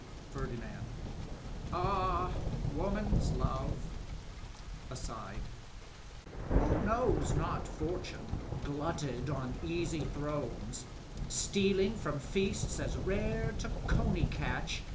Fbrdinano. — Ah, woman's love I iAfidt) Who knows not Fortune, glutted on easy thrones* SteaUnfi^ from feasts as rare to coneycatch.